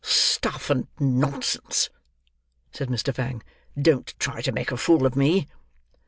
"Stuff and nonsense!" said Mr. Fang: "don't try to make a fool of me."